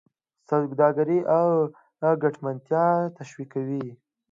سوداګري او ګټمنتیا تشویقوي.